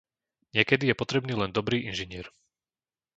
Niekedy je potrebný len dobrý inžinier.